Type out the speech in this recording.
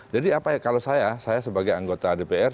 jadi kalau saya saya sebagai anggota dpr